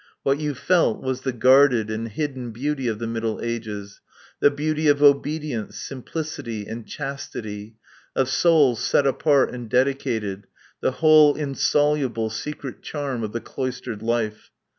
What you felt was the guarded and hidden beauty of the Middle Ages, the beauty of obedience, simplicity and chastity, of souls set apart and dedicated, the whole insoluble secret charm of the cloistered life.